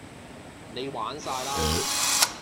你玩曬啦